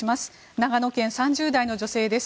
長野県、３０代の女性です。